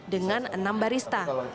dengan enam barista